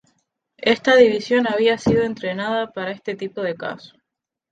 Esta división había sido entrenada para este tipo de casos.